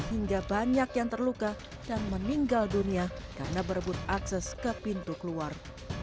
hingga banyak yang terluka dan meninggal dunia karena berebut akses ke pintu keluar